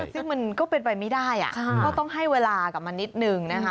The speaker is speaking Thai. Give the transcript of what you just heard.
ซึ่งมันก็เป็นไปไม่ได้ก็ต้องให้เวลากับมันนิดนึงนะคะ